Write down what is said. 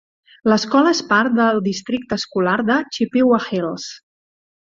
L'escola es part del districte escolar de Chippewa Hills.